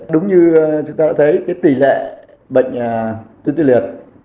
đúng như chúng ta đã thấy tỷ lệ bệnh tuyến tuyến liệt